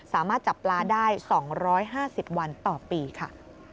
สามารถจับปลาได้๒๕๐วันต่อปีค่ะ